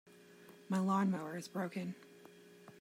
My lawn-mower is broken.